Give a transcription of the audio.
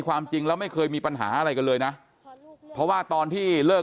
ความจริงแล้วไม่เคยมีปัญหาอะไรกันเลยนะเพราะว่าตอนที่เลิก